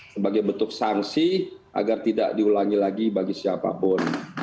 sebagai bentuk sanksi agar tidak diulangi lagi bagi siapapun